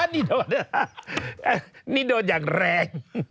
นี่โดนอย่างแรง